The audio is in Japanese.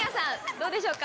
どうでしょうか？